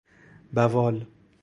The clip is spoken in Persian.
بوال